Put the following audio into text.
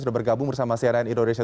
sudah bergabung bersama cnn indonesia